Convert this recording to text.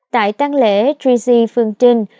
tại tan lễ trizi phương trinh